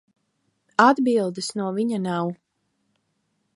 Atbildes no viņa nav.